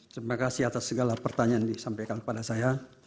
terima kasih atas segala pertanyaan yang disampaikan kepada saya